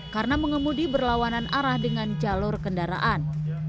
karena pengemudi berlawanan arah dengan jalur kendaraan